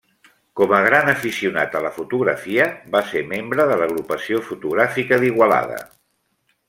Com a gran aficionat a la fotografia, va ser membre de l'Agrupació Fotogràfica d'Igualada.